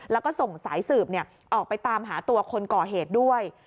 แล้วก็ส่งสายสืบออกไปตามหาตัวคนก่อเหตุด้วย